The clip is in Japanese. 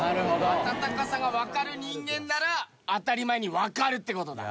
あたたかさがわかる人間なら当たり前にわかるって事だ。